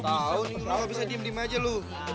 tahu nih lo bisa diam diam aja lo